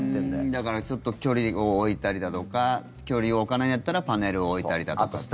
だからちょっと距離を置いたりだとか距離を置かないんだったらパネルを置いたりだとかという。